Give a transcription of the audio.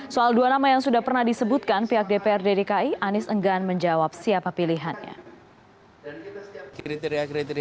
soal dua nama yang sudah pernah disebutkan pihak dprd dki anies enggan menjawab siapa pilihannya